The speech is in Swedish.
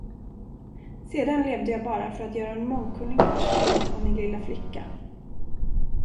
Sedan levde jag bara för att göra en mångkunnig person av min lilla flicka.